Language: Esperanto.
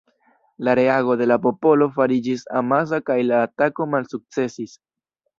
La reago de la popolo fariĝis amasa kaj la atako malsukcesis.